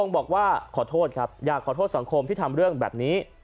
บอกว่าขอโทษครับอยากขอโทษสังคมที่ทำเรื่องแบบนี้